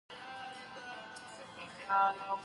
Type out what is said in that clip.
انګور د افغان ماشومانو د لوبو موضوع ده.